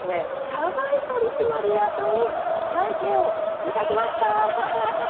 社外取締役に内定をいたしました！